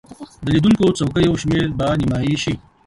د لیدونکو څوکیو شمیر به نیمایي شي.